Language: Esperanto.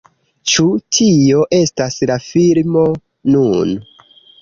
Ĉu tio estas la filmo nun?